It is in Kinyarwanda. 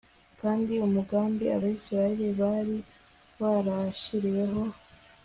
kandi umugambi abisirayeli bari barashyiriwe ho